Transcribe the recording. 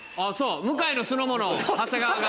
向井の酢の物長谷川が。